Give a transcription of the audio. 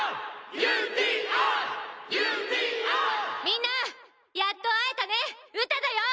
みんなやっと会えたねウタだよ！